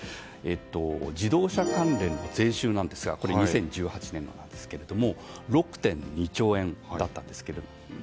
自動車関連の税収ですがこれは２０１８年度ですが６．２兆円だったんです。